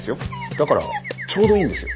だからちょうどいいんです。